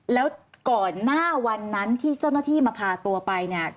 แล้วก่อนหน้าวันนั้นที่เจ้าหน้าที่มาพาตัวไปเนี่ย